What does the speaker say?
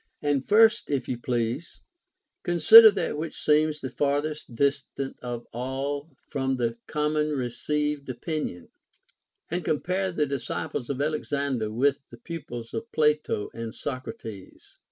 5. And first, if you please, consider that which seems the farthest distant of all from the common received opinion, and compare the disciples of x\lexander with the pupils of Plato and Socrates.